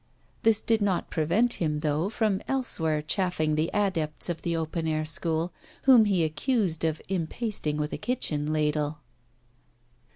This did not prevent him, though, from elsewhere chaffing the adepts of the open air school, whom he accused of impasting with a kitchen ladle.